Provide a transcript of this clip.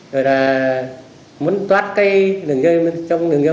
rồi là muốn toát đường dây ma túy